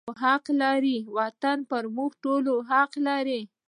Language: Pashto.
وطن په موږ ټولو حق لري